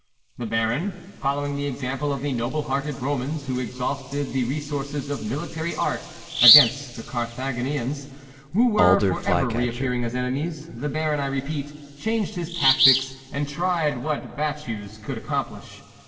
The Baron, following the example of the noble hearted Romans who exhausted the resources of military art against the Car thaginians who were for ever re appearing as enemies, the Baron, I repeat, changed his tactics and tried what battues could accomplish.